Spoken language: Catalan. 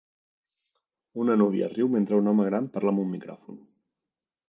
Una núvia riu mentre un home gran parla amb un micròfon.